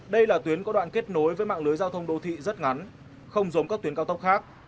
đây là tuyến có đoạn kết nối với mạng lưới giao thông đô thị rất ngắn không giống các tuyến cao tốc khác